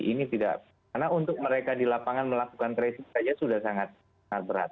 ini tidak karena untuk mereka di lapangan melakukan tracing saja sudah sangat berat